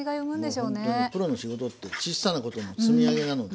もうほんとにプロの仕事ってちっさなことの積み上げなので。